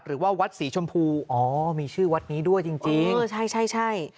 หรือว่าวัดสีชมพูอ๋อมีชื่อวัดนี้ด้วยจริงจริงเออใช่ใช่